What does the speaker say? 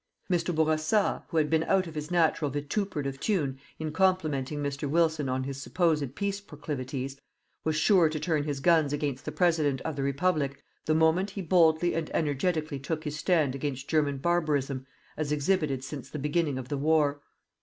Mr. Bourassa, who had been out of his natural vituperative tune in complimenting Mr. Wilson on his supposed peace proclivities, was sure to turn his guns against the President of the Republic the moment he boldly and energetically took his stand against German barbarism as exhibited since the beginning of the war.